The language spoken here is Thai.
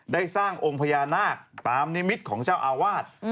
ได้สร้างองค์พญานาคตามนิมิตรของเจ้าอาวาส